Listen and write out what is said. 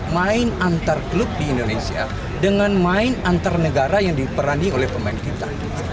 main antar klub di indonesia dengan main antar negara yang diperani oleh pemain kita